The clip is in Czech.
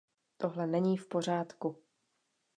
Tohle není v pořádku.